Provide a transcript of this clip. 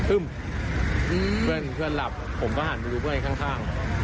อื้มอื้มเพื่อนเพื่อนหลับผมก็หันไปดูเพื่อนในข้าง